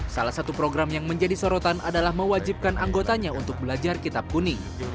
salah satu program yang menjadi sorotan adalah mewajibkan anggotanya untuk belajar kitab kuning